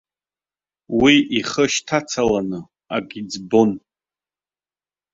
Уи ихы шьҭацаланы акы иӡбон.